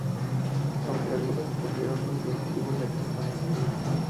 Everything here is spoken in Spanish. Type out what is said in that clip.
Aunque algunos cumplieron con su objetivo, la ayuda jamás llegó.